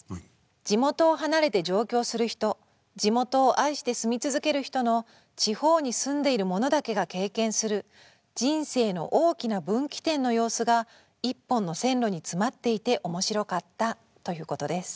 「地元を離れて上京する人地元を愛して住み続ける人の地方に住んでいる者だけが経験する『人生の大きな分岐点』の様子が一本の線路に詰まっていて面白かった」ということです。